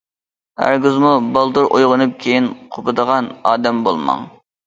ھەرگىزمۇ‹‹ بالدۇر ئويغىنىپ، كېيىن قوپىدىغان›› ئادەم بولماڭ.